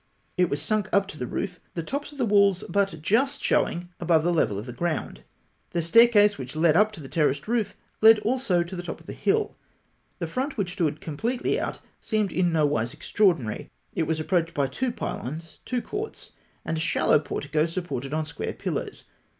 It was sunk up to the roof, the tops of the walls but just showing above the level of the ground. The staircase which led up to the terraced roof led also to the top of the hill. The front, which stood completely out, seemed in nowise extraordinary. It was approached by two pylons, two courts, and a shallow portico supported on square pillars.